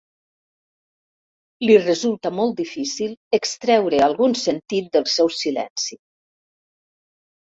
Li resulta molt difícil extreure algun sentit del seu silenci.